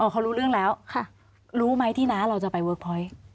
เขารู้เรื่องแล้วรู้ไหมที่น้าเราจะไปเวิร์คพอยต์